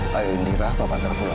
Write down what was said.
pak indira pak paterpula